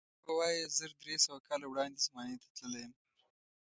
ته به وایې زر درې سوه کاله وړاندې زمانې ته تللی یم.